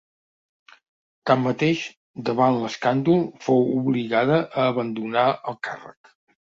Tanmateix, davant l'escàndol, fou obligada a abandonar el càrrec.